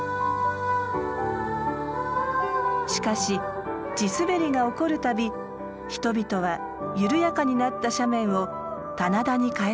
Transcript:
しかし地すべりが起こるたび人々は緩やかになった斜面を棚田に変えてきました。